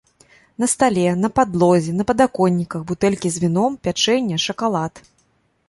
На стале, на падлозе, на падаконніках бутэлькі з віном, пячэнне, шакалад.